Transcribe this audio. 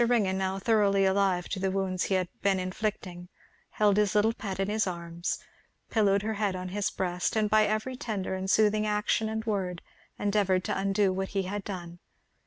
Ringgan, now thoroughly alive to the wounds he had been inflicting, held his little pet in his arms, pillowed her head on his breast, and by every tender and soothing action and word endeavoured to undo what he had done.